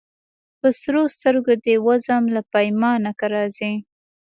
په سرو سترګو دي وزم له پیمانه که راځې